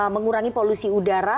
mengurangi polusi udara